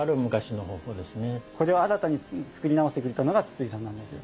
これを新たに作り直してくれたのが筒井さんなんですよ。